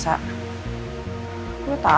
gue tau kalau cuma ngeluruh waktu kan